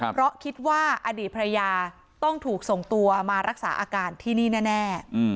เพราะคิดว่าอดีตภรรยาต้องถูกส่งตัวมารักษาอาการที่นี่แน่